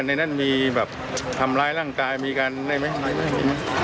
แล้วในนั่นมีทำร้ายร่างกายมีการได้ไหม